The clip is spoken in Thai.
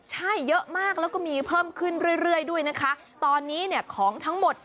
ใช่เยอะมากแล้วก็มีเพิ่มขึ้นเรื่อยเรื่อยด้วยนะคะตอนนี้เนี่ยของทั้งหมด